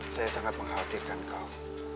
saya sangat menghatirkan kau